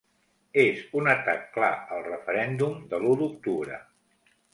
És un atac ‘clar’ al referèndum de l’u d’octubre.